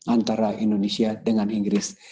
antara indonesia dengan inggris